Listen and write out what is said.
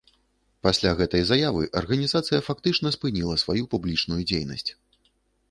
Пасля гэтай заявы арганізацыя фактычна спыніла сваю публічную дзейнасць.